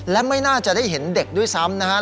และไม่น่าจะได้เห็นเด็กด้วยซ้ำนะครับ